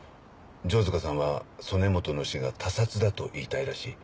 城塚さんは曽根本の死が他殺だと言いたいらしい。